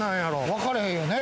分かれへんよね。